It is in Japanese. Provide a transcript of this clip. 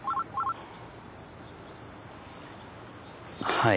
はい。